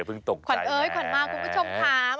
ขวัญเอ๊ยขวัญมากคุณผู้ชมค่ะ